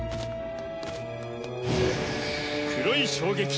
黒い衝撃！